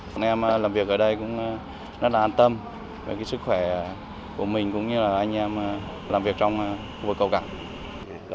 bọn em làm việc ở đây cũng rất là an tâm về sức khỏe của mình cũng như là anh em làm việc trong vùng cầu cảnh